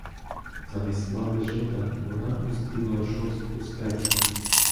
Замість лави жита вона уздріла шорстку стерню.